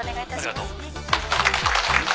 「ありがとう」「」